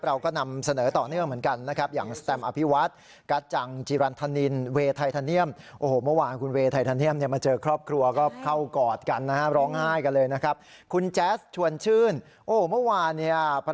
เราก็นำเสนอต่อเนื่องเหมือนกันนะครับ